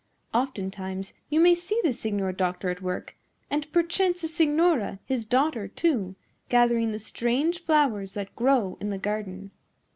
Oftentimes you may see the signor doctor at work, and perchance the signora, his daughter, too, gathering the strange flowers that grow in the garden."